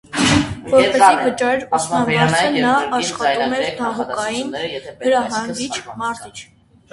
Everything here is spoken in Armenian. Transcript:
Որպեսզի վճարեր ուսման վարձը, նա աշխատում էր դահուկային հրահանգիչ, մարզիչ։